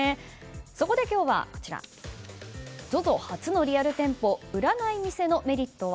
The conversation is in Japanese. そこで今日はＺＯＺＯ初のリアル店舗売らない店のメリットは？